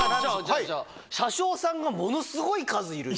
じゃあ、車掌さんがものすごい数いる。